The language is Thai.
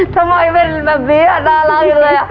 ทำไมเป็นแบบนี้น่ารักอยู่เลย